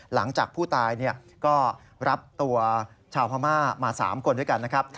หลังจากผู้ตายก็รับตัวชาวพม่ามา๓คนด้วยกันนะครับ